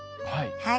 はい。